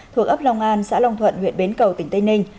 thuộc ấp long an xã long thuận huyện bến cầu tỉnh tây ninh